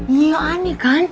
iya aneh kan